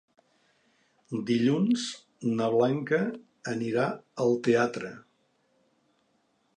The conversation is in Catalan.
Dilluns na Blanca anirà al teatre.